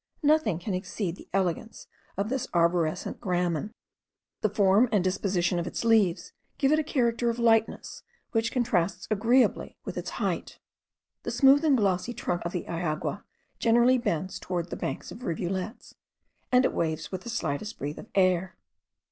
Nothing can exceed the elegance of this arborescent gramen. The form and disposition of its leaves give it a character of lightness which contrasts agreeably with its height. The smooth and glossy trunk of the iagua generally bends towards the banks of rivulets, and it waves with the slightest breath of air.